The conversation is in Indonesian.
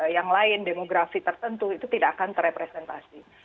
yang lain demografi tertentu itu tidak akan terrepresentasi